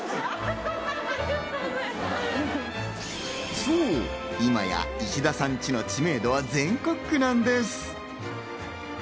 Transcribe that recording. そう、今や石田さんチの知名度は全国区なんです。